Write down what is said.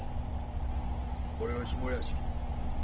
これを下屋敷へ。